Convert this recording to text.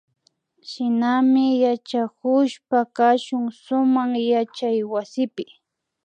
Shinami yachakushpa kashun sumak yachaywasipi